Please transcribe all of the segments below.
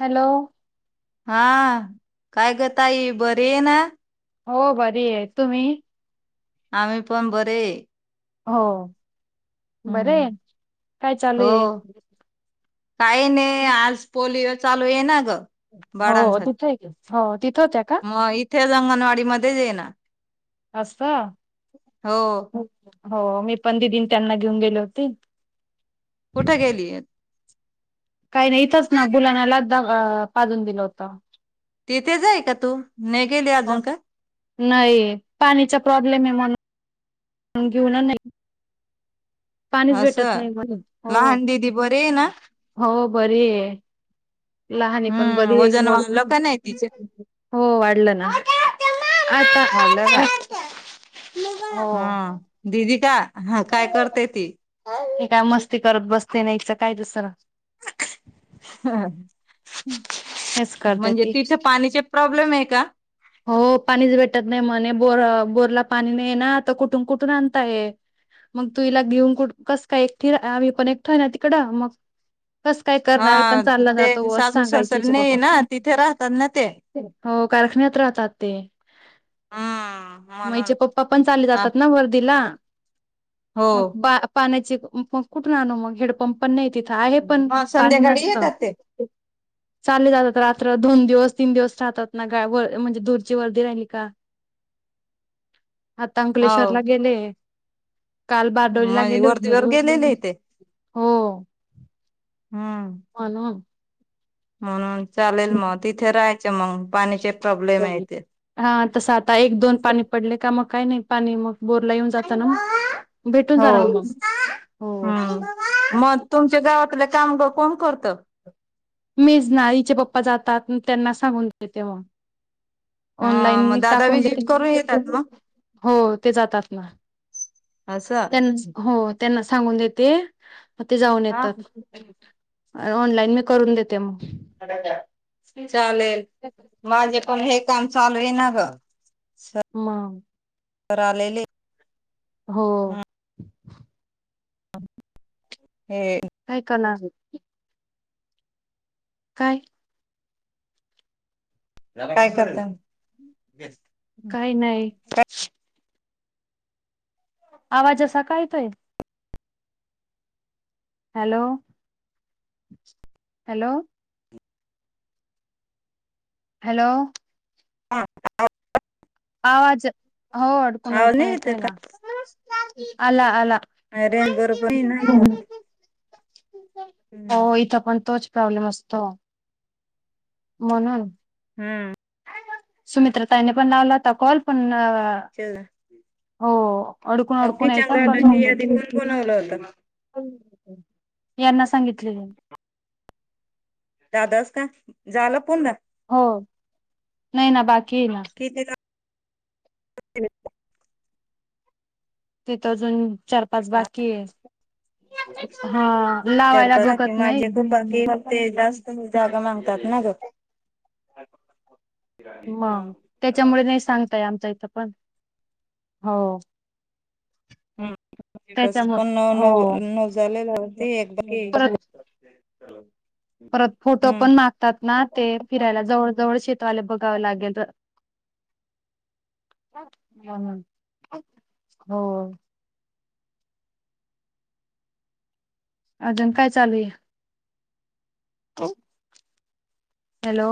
Hello हा काय ग ताई बरी आहे ना हो बरी आहे तुम्ही आम्ही पण बरे हो बरे हम्म काय चालू आहे हो काही नाही आज पोलिओ चालू आहे ना ग हो बाळांसाठी तिथ हो तिथे होत्या का तेथे अंगणवाडी मध्ये जा ये ना अस हो हो मी पण दिदी न त्यांना घेऊन गेले होते कुठे गेली काही नाही इथंच ना कुणाल आला तर पाजून दिला होत तिथे आहे का तू नाही गेली अजून का नाही पाणीचा प्रॉब्लेम आहे म्हण घेऊन नाही पाणीच भेटत असं नाही म्हणून हो लहान दिदी बरे आहे ना हो बर आहे लहान पण हम्म बरी वजन मो वाढलं का नाही तिचे हो वाढलं ना आता वाढलं का हो हा दिदी का हा काय करते ती हे काय मस्ती करत बसते नाहीच काय दुसरं ह हेच करते म्हणजे ती तिथे पाण्याचे प्रॉब्लेम आहे का हो पाणीच भेटत नाही म्हणे बोर बोरला पाणी नाही ना आ तर कुठून कुठून आणताय मग तुला घेऊन कुठ कस काय एक आम्ही पण एकठो आहे ना तिकडं मग कस काय करणारे पण हा चाललं जातो ते अस सासू सांगायची सासर नाही बाबा ना तिथे राहतात ना ते. हो कारखान्यात राहतात ते हम्म म्हणून. पप्पा पण चा ह जातात ना वर्दीला हो मग पाण्याचे मग कुठून आनु मग हेडपंप पण नाही तिथं आहे पण मग पाणी संध्याकाळी नसत येतात ते चालले जातात रात्र दोन दिवस तीन दिवस राहतात ना गा ब म्हणजे दूरची वर्दी राहिली का आता अंकलेश्वरला हो गेले काल बारडोलीला म्हणजे गेले होते वरतीवर गेलेले ते हो हम्म हो ना म्हणून चालेल मग तिथे राहायचं मग पाणीचे प्रॉब्लेम येत हा तसं आता एक दोन पाणी पडले का मग काही नाही पाणी मग बोरला येऊन जाता ना मग भेटून हो जाल मग हो हम्म मग तुमच्या गावातले कामग कोण करतं मेजनाईचे पप्पा जातात त्यांना सांगून देतेव हा ऑनलाईन म मग दादा टाकून देते विजिट करून येतात मग हो ते जातात ना असं त्यांना हो त्यांना सांगून देते मग ते जाऊन हा येतात, ऑनलाईन मी करून देते म. चालेल. माझे पण हे काम चालूये ना ग. म. तर आलेले. हो. हे. काय काणारे. काय? काय करता. काही नाही. आवाजा असा काय येतोय. Hello, hello. हॅलो. हा आवाज, हो अडकून आवाज अडकून नाही येतोय येत ना, आला आला. अ रेज बरोबर नाही ना. हो इथं पण तोच प्रॉब्लेम असतो. म्हणून. हम्म. सुमित्रा ताईने पण नावला होता कॉल, पण चला हो अडकून अडकून किचन यायचं, अन कट गार्डनची जायच. यादी कोण बनवलं होतं यांना सांगितले. दादाच का? झालं पुन्हा. हो नाही ना बाकी ये ना. किती ला. तिथं अजून. चार पाच बाकीये, हा लावायला करा की वखत माझे नाही. बाकी, ते जास्त जागा मागतात ना ग. मग त्याच्यामुळे नाही सांगताय, आमच इथं पण, हो. हम्म, त्याच्यामुळे पण् न हो न नो झालेलावते परत एकदा. परत फोटो पण मागतात ना, ते फिरायला जवळ जवळ शेतवाले बघावं लागेल. हम्म हम्म हो. अजून काय चालूये. हो. Hello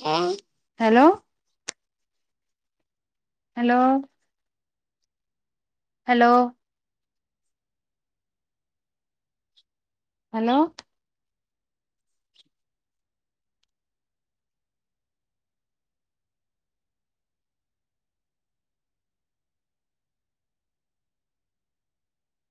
hello. Hello. Hello. Hello.